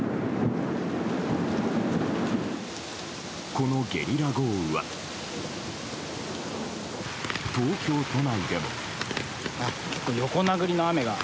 このゲリラ豪雨は東京都内でも。